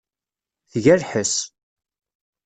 Tga lḥess.